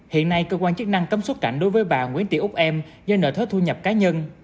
hiện nay cơ quan chức năng cấm xuất cảnh đối với bà nguyễn tị úc em do nợ thuế thu nhập cá nhân